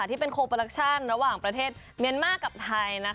ที่เป็นโคโปรดักชั่นระหว่างประเทศเมียนมาร์กับไทย